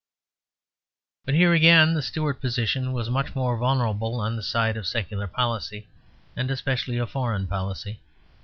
But here again the Stuart position was much more vulnerable on the side of secular policy, and especially of foreign policy.